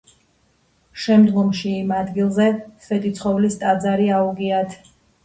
შემდგომში იმ ადგილზე სვეტიცხოვლის ტაძარი აუგიათ.